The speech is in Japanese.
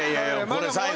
これ最後。